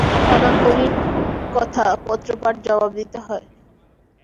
টাকাকড়ির কথা পত্রপাঠ জবাব দিতে হয়।